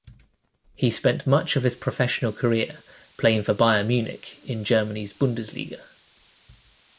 He spent much of his professional career playing for Bayern Munich in Germany's Bundesliga.